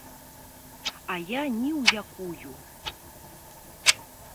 А я ні ў якую.